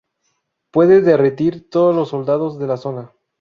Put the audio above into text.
Puede derretir todos los soldados de la zona.